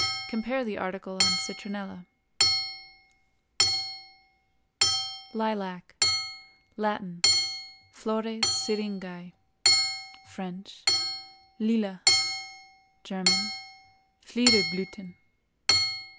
(Compare the article on "Citronella.") LILAC. Latin—Flores Syringæ; French—Lilas; German—Fliederblüthen.